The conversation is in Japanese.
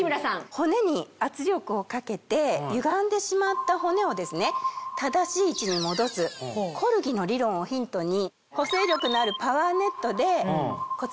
骨に圧力をかけてゆがんでしまった骨を正しい位置に戻すコルギの理論をヒントに。